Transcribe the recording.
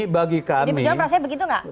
pdi perjuangan rasanya begitu gak